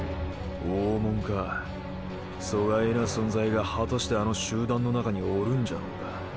大物かそがいな存在が果たしてあの集団の中におるんじゃろうか？